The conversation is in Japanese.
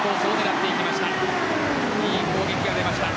いい攻撃が出ました。